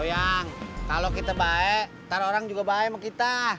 yang kalau kita baik ntar orang juga baik sama kita